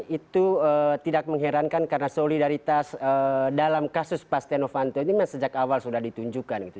dan itu tidak mengherankan karena solidaritas dalam kasus pak stenovanto ini memang sejak awal sudah ditunjukkan gitu